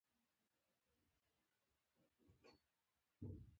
پادري د کوڅې په خټو او باراني اوبو کې روان وو.